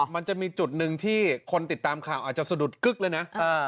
มันจะมีจุดหนึ่งที่คนติดตามข่าวอาจจะสะดุดกึ๊กเลยนะ